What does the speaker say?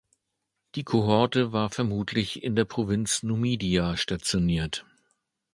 Die Kohorte war vermutlich in der Provinz Numidia stationiert.